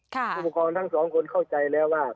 ผู้ปกครองทั้งสองคนเข้าใจแล้วว่า